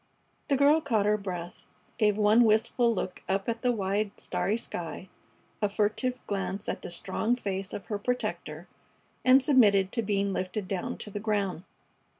The girl caught her breath, gave one wistful look up at the wide, starry sky, a furtive glance at the strong face of her protector, and submitted to being lifted down to the ground.